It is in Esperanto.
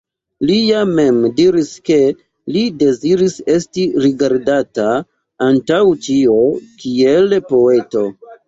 Li ja mem diris ke li deziris esti rigardata, antaŭ ĉio, kiel poeto.